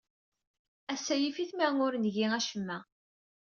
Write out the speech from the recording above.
Ass-a, yif-it ma ur ngi acemma.